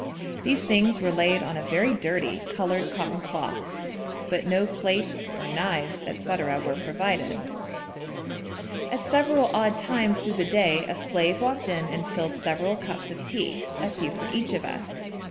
These things were laid on a very dirty coloured cotton cloth, but no plates or knives, &c. were provided. At several odd times through the day a slave walked in and filled several cups of tea, a few for each of us.